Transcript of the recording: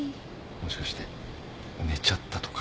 もしかして寝ちゃったとか。